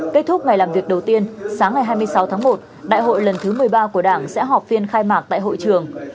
kết thúc ngày làm việc đầu tiên sáng ngày hai mươi sáu tháng một đại hội lần thứ một mươi ba của đảng sẽ họp phiên khai mạc tại hội trường